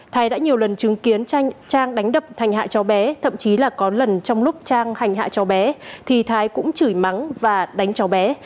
thái đã nhiều lần chứng kiến trang đánh đập hành hạ cho bé thậm chí là có lần trong lúc trang hành hạ cho bé thì thái cũng chửi mắng và đánh cho bé